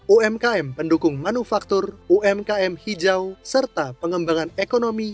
umkm pendukung manufaktur umkm hijau serta pengembangan ekonomi